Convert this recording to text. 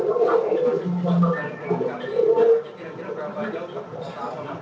pukul sembilan malam itu fotografinya mungkin agak agak lebih ke bunga atau bukit